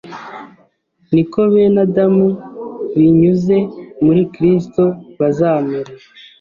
ni ko bene Adamu, binyuze muri Kristo bazamera